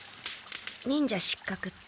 忍者失格って。